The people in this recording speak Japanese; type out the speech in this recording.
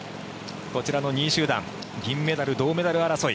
こちらの２位集団銀メダル、銅メダル争い。